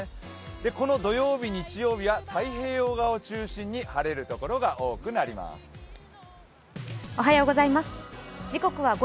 この土曜日、日曜日は太平洋側を中心に晴れる所が多くなります。